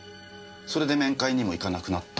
それで面会にも行かなくなったと。